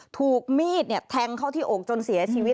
ถูกมีดแทงเข้าที่อกจนเสียชีวิต